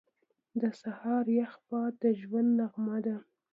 • د سهار یخ باد د ژوند نغمه ده.